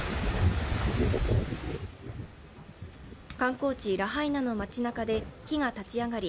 観光地、ラハイナの街なかで火が立ち上り